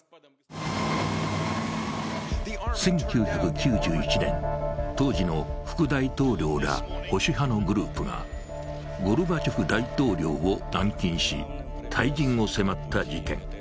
１９９１年、当時の副大統領ら保守派のグループがゴルバチョフ大統領を軟禁し、退陣を迫った事件。